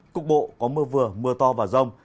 cục bộ có mưa vừa mưa to và rông